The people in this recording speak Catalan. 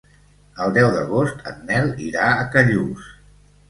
El deu d'agost en Nel irà a Callús.